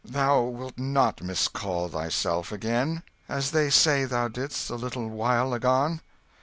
Thou wilt not miscall thyself again, as they say thou didst a little while agone?"